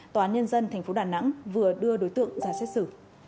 tòa án nhân dân tp đà nẵng vừa đưa đối tượng ra xét xử